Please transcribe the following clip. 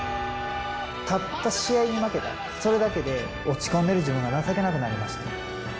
たった試合に負けた、それだけで落ち込んでる自分が情けなくなりました。